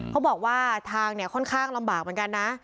เขาบอกว่าทางเนี่ยค่อนข้างลำบากเหมือนกันนะ